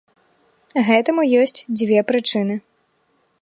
Гэтаму ёсць дзве прычыны.